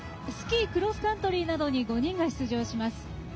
スキー・クロスカントリーなどに５人が出場します。